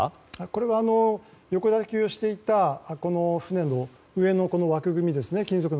これは横抱きをしていた船の上の金属の枠組みですね。